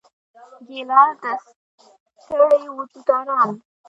ګیلاس د ستړي وجود آرام دی.